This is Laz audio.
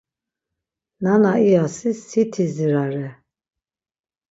Nana iyasi si-ti zirare.